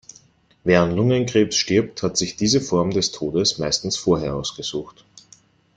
Wer an Lungenkrebs stirbt, hat sich diese Form des Todes meistens vorher ausgesucht.